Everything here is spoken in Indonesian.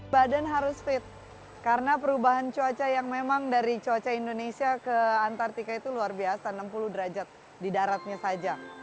badan harus fit karena perubahan cuaca yang memang dari cuaca indonesia ke antartika itu luar biasa enam puluh derajat di daratnya saja